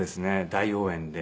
大応援で。